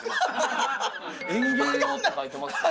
園芸って書いてますけど。